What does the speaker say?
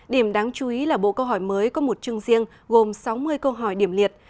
điểm đáng chú ý là bộ câu hỏi mới có một chương riêng gồm sáu mươi câu hỏi điểm liệt